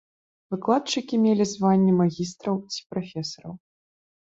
Выкладчыкі мелі званне магістраў ці прафесараў.